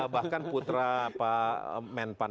bahkan putra pak menpan